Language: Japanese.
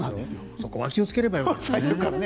そこは気をつければよかったね。